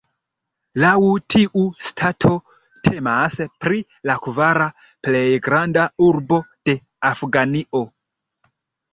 Laŭ tiu stato temas pri la kvara plej granda urbo de Afganio.